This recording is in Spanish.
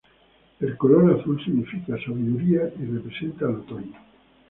El Color Azul significa sabiduría y representa el otoño.